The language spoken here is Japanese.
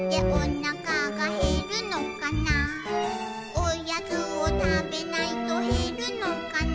「おやつをたべないとへるのかな」